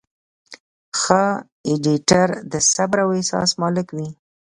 ښه ایډیټر د صبر او احساس مالک وي.